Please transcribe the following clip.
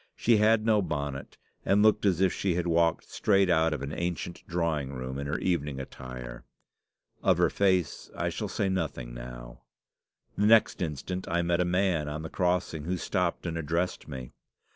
She had no bonnet, and looked as if she had walked straight out of an ancient drawing room in her evening attire. Of her face I shall say nothing now. The next instant I met a man on the crossing, who stopped and addressed me.